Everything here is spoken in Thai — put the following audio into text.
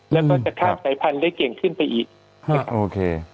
แล้วก็จะข้ามสายพันธุ์ได้เก่งขึ้นไปอีกนะครับโอเค